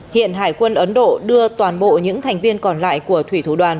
hiện hải quân ấn độ đưa toàn bộ những thành viên còn lại của thủy thủ đoàn